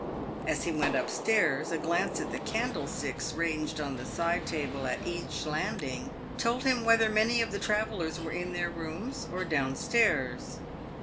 As he went up stairs, a glance at the candlesticks ranged on the side table at each landing, told him whether many of the travellers were in their rooms or down stairs.